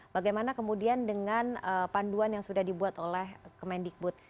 bagaimana kemudian dengan panduan yang sudah dibuat oleh kemendikbud